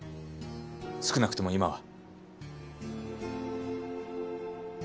少なくとも今は。